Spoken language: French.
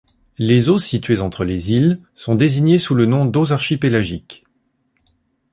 Les eaux situées entre les îles sont désignées sous le nom d'eaux archipélagiques.